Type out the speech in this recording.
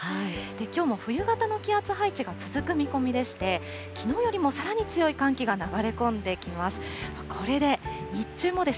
きょうも冬型の気圧配置が続く見込みでして、きのうよりもさらに強い寒気が流れ込んできます。